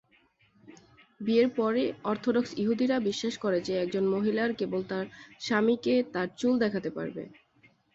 বিয়ের পরে, অর্থোডক্স ইহুদিরা বিশ্বাস করে যে একজন মহিলার কেবল তার স্বামীকে তার চুল দেখাতে পারবে।